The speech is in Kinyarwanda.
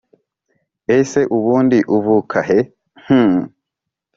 Ese ubundi uvuka he hmmm